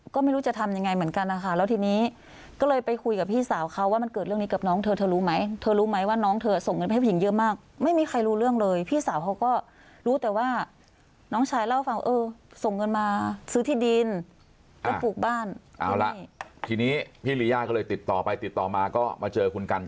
ก็ไม่รู้จะทำยังไงเหมือนกันนะคะแล้วทีนี้ก็เลยไปคุยกับพี่สาวเขาว่ามันเกิดเรื่องนี้กับน้องเธอเธอรู้ไหมเธอรู้ไหมว่าน้องเธอส่งเงินไปให้ผู้หญิงเยอะมากไม่มีใครรู้เรื่องเลยพี่สาวเขาก็รู้แต่ว่าน้องชายเล่าฟังเออส่งเงินมาซื้อที่ดินก็ปลูกบ้านเอาละทีนี้พี่ลีย่าก็เลยติดต่อไปติดต่อมาก็มาเจอคุณกัน